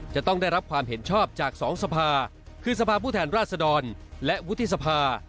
จะต้องได้รับความเห็นชอบจากสองสภาคือสภาพผู้แทนราชดรและวุฒิสภา